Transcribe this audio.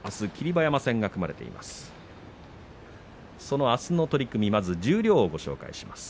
馬山戦が組まれています。